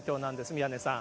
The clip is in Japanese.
宮根さん。